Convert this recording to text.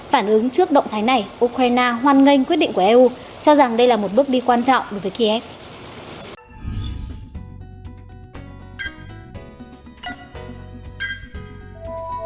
phản ứng trước động thái này ukraine hoan nghênh quyết định của eu cho rằng đây là một bước đi quan trọng đối với kiev